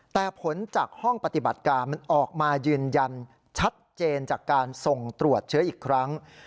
แต่ผลจากห้องปฏิบัติการมันออกมายืนยันชัดเจนจากการส่งตรวจเชื้ออีกครั้ง